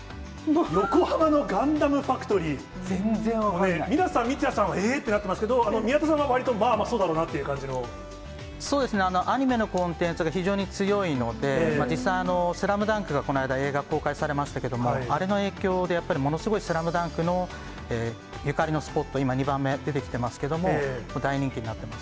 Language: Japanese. これ、ミラさん、三屋さんはえっとなってますけれども、宮田さんはわりと、まあ、そうだそうですね、アニメのコンテンツが非常に強いので、実際、スラムダンクがこの間映画、公開されましたけれども、あれの影響で、やっぱりものすごいスラムダンクのゆかりのスポット、今、２番目出てきてますけれども、大人気になっています。